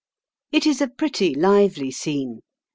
It is a pretty, lively scene.